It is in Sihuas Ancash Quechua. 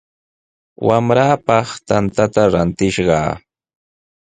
Wamraapaq tantata rantishqaa.